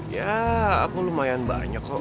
ya aku lumayan banyak kok